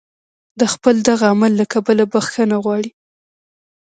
د خپل دغه عمل له کبله بخښنه وغواړي.